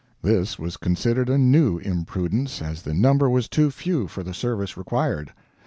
This was considered a new imprudence, as the number was too few for the service required.